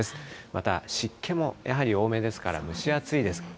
また湿気もやはり多めですから、蒸し暑いです。